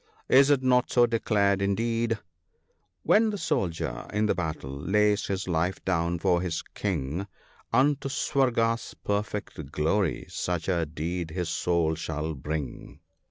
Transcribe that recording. Is it not so declared, indeed ?—" When the soldier in the battle lays his life down for his king, Unto Swarga's perfect glory such a deed his soul shall bring."